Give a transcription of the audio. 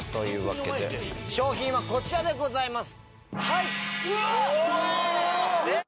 賞品はこちらでございます。